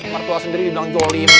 mertua sendiri bilang jolim